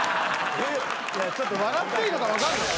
ちょっと笑っていいのか分かんない。